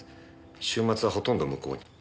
週末はほとんど向こうに。